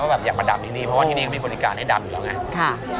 เค้าอยากมาด่ำที่นี้มีบริการให้ด่ำดีกว่าไง